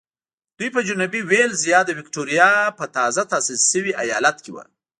دوی په جنوبي وېلز یا د ویکټوریا په تازه تاسیس شوي ایالت کې وو.